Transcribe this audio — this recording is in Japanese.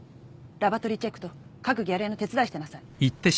ラバトリーチェックと各ギャレーの手伝いしてなさい。